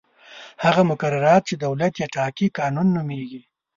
هغه مقررات چې دولت یې ټاکي قانون نومیږي.